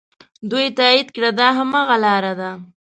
دوی تایید کړه دا هماغه لاره ده.